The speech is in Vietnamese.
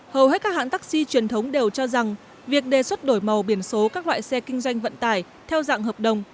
hầu hết các hãng taxi truyền thống đều cho rằng việc đề xuất đổi màu biển số các loại xe kinh doanh vận tải theo dạng hợp đồng